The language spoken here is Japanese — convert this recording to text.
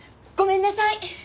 ごめんなさい！